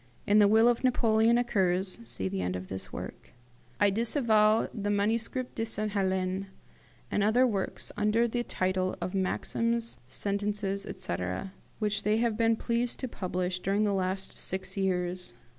In the will of Napoleon occurs (see end of this work): "I disavow the 'Manuscrit de Sainte Helene', and the other works under the title of Maxims, Sentences, etc., which they have been pleased to publish during the last six years.